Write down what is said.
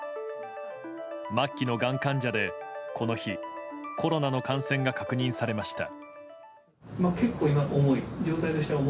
末期のがん患者で、この日コロナの感染が確認されました。